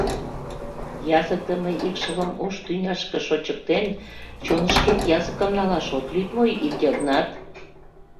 Языкдыме икшывым ош тӱняшке шочыктен, чонышкет языкым налаш от лӱд мо, Йыгнат?